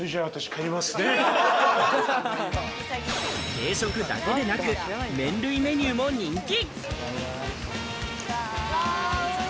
定食だけでなく、麺類メニューも人気。